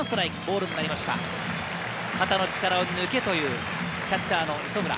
肩の力を抜けというキャッチャーの磯村。